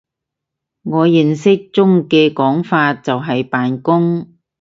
我認知中嘅講法就係扮工！